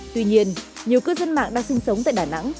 tuy nhiên nhiều cư dân mạng đang sinh sống tại đà nẵng